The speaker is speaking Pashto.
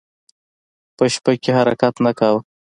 په شپه کې حرکت نه کاوه.